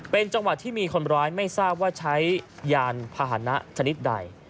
เป็นจังหวัดที่มีคนร้ายไม่ทราบว่าใช้ยานพาหนะชนิดใด